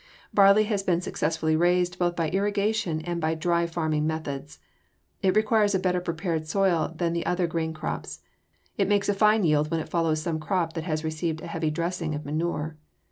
Barley has been successfully raised both by irrigation and by dry farming methods. It requires a better prepared soil than the other grain crops; it makes fine yields when it follows some crop that has received a heavy dressing of manure.